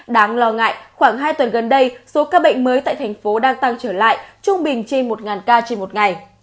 đáng lo ngại khoảng hai tuần gần đây số ca bệnh mới tại thành phố đang tăng trở lại trung bình trên một ca trên một ngày